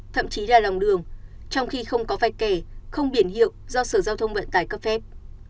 thậm chí là lòng đường trong khi không có vạch kẻ không biển hiệu do sở giao thông vận tải cấp phép